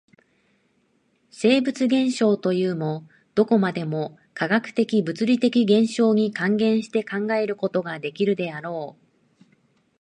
生物現象というも、どこまでも化学的物理的現象に還元して考えることができるであろう。